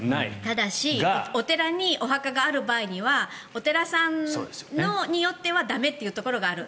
ただしお寺にお墓がある場合にはお寺さんによっては駄目というところがある。